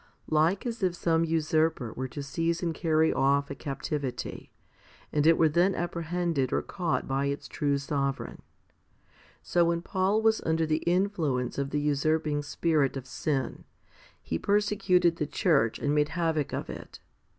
Like as if some usurper were to seize and carry off a captivity, and it were then apprehended or caught by its true sovereign, so when Paul was under the influence of the usurping spirit of sin, he persecuted the church and made havoc of it.